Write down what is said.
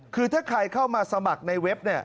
คือถ้าใครเข้ามาสมัครในเว็บ